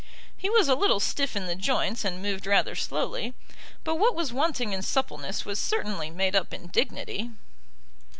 He was a little stiff in the joints and moved rather slowly, but what was wanting in suppleness was certainly made up in dignity.